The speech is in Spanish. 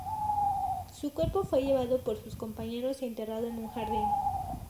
Su cuerpo fue llevado por sus compañeros y enterrado en un jardín.